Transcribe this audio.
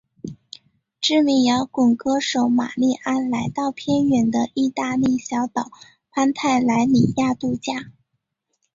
知名摇滚歌手玛莉安来到偏远的义大利小岛潘泰莱里亚度假。